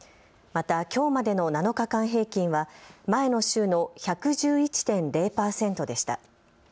また、きょうまでの７日間平均は前の週の１１１．０％でした。